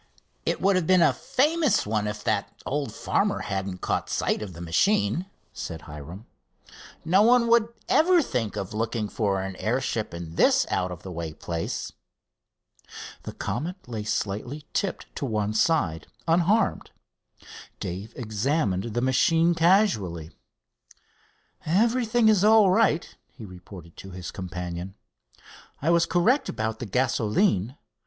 "It would have been a famous one if that old farmer hadn't caught sight of the machine," said Hiram. "No one would ever think of looking for an airship in this out of the way place." The Comet lay slightly tipped to one side, unharmed. Dave examined the machine casually. "Everything is all right," he reported to his companion. "I was correct about the gasoline.